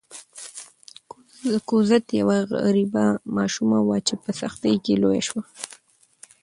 کوزت یوه غریبه ماشومه وه چې په سختۍ کې لویه شوه.